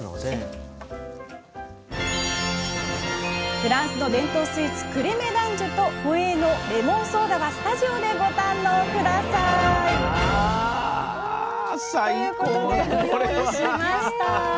フランスの伝統スイーツ「クレメ・ダンジュ」と「ホエーのレモンソーダ」はスタジオでご堪能下さい！ということでご用意しました。